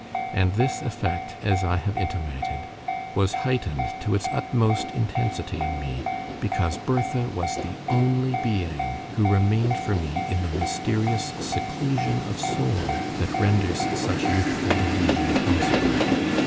And this effect, as I have intimated, was heightened to its utmost intensity in me, because Bertha was the only being who remained for me in the mysterious seclusion of soul that renders such youthful delusion possible.